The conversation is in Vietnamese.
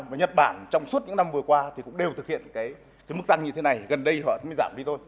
và nhật bản trong suốt những năm vừa qua thì cũng đều thực hiện cái mức tăng như thế này gần đây họ mới giảm đi thôi